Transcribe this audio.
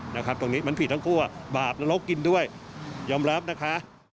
ตรงนี้มันผิดทั้งคู่อ่ะบาปนรกกินด้วยยอมรับนะคะ